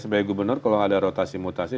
sebagai gubernur kalau ada rotasi mutasi